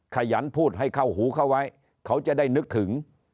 ขยันพูดให้เข้าหูเข้าไว้เขาจะได้นึกถึง